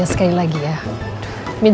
yang salah bukan saya pak